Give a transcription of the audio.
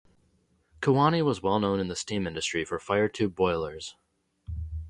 Kewanee was well known in the steam industry for fire-tube boilers.